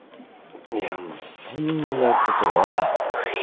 いやそんなことは。